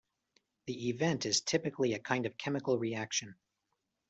The "event" is typically a kind of chemical reaction.